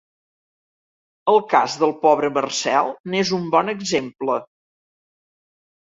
El cas del pobre Marcel n'és un bon exemple.